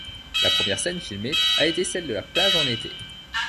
La première scène filmée a été celle de la plage en été.